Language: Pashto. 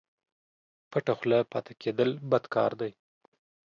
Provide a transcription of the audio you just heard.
پټه خوله پاته کېدل بد کار دئ